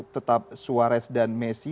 tetap suarez dan messi